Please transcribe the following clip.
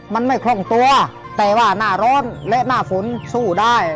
มันไม่คล่องตัวแต่ว่าหน้าร้อนและหน้าฝนสู้ได้